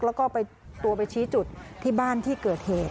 แล้วก็ไปตัวไปชี้จุดที่บ้านที่เกิดเหตุ